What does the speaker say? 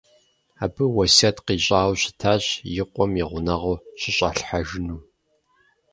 Абы уэсят къищӀауэ щытащ и къуэм и гъунэгъуу щыщӀалъхьэжыну.